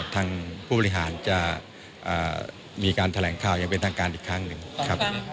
ทางผู้บริหารจะมีการแถลงข่าวอย่างเป็นทางการอีกครั้งหนึ่งครับ